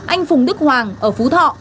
anh phùng đức hoàng ở phú thọ